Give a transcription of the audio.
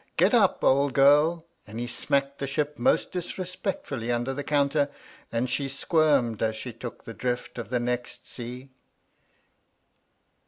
"Get up, old girll" and he smacked the ship most disre spectfully under the counter, and she squirmed as she took the drift of the next sea.